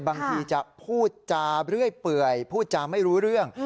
บางทีจะพูดจาเรื่อยเปื่อยพูดจาไม่รู้เรื่อง